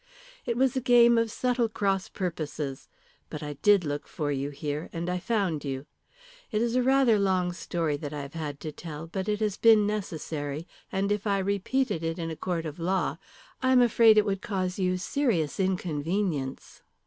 It was a game of subtle cross purposes. But I did look for you here, and I found you. It is a rather long story that I have had to tell, but it has been necessary. And if I repeated it in a court of law I am afraid it would cause you serious inconvenience."